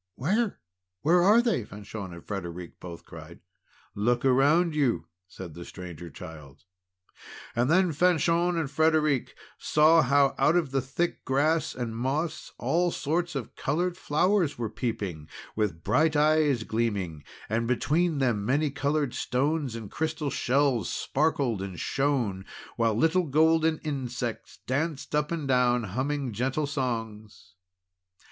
"Where? Where are they?" Fanchon and Frederic both cried. "Look around you," said the Stranger Child. Then Fanchon and Frederic saw how out of the thick grass and moss all sorts of glorious flowers were peeping, with bright eyes gleaming. And between them many coloured stones and crystal shells sparkled and shone. While little golden insects danced up and down humming gentle songs.